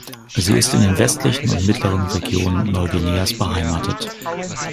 Sie ist in den westlichen und mittleren Regionen Neuguineas beheimatet.